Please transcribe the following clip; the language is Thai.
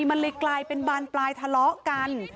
ไงมันเลยกลายเป็นบ้านทะเลาะกัน